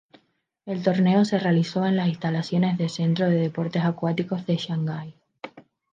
El torneo se realizó en las instalaciones del Centro de Deportes Acuáticos de Shanghái.